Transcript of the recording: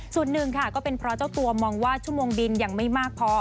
ส่วนหนึ่งค่ะก็เป็นเพราะเจ้าตัวมองว่าชั่วโมงบินยังไม่มากพอ